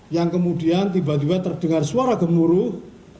yang kemudian tiba tiba terdengar suara gemuruh